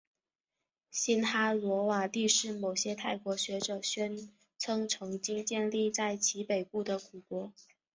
辛哈罗瓦帝是某些泰国学者宣称曾经建立在其北部的古国。